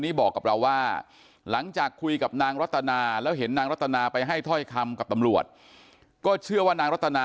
นางรัตนาอย่างใจ